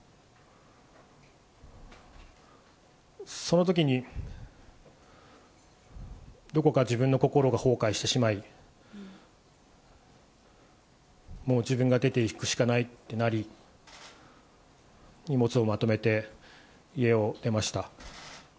そのときに、どこか自分の心が崩壊してしまい、もう自分が出ていくしかないってなり、荷物をまとめて家を出ました。